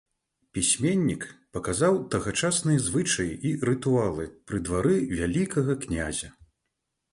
Пісьменнік паказаў тагачасныя звычаі і рытуалы пры двары вялікага князя.